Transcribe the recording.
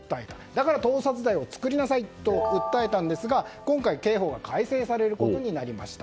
だから盗撮罪を作りなさいと訴えたんですが今回、刑法が改正されることになりました。